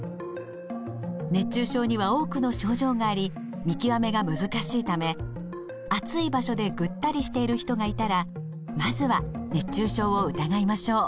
熱中症には多くの症状があり見極めが難しいため暑い場所でぐったりしている人がいたらまずは熱中症を疑いましょう。